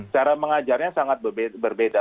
cara mengajarnya sangat berbeda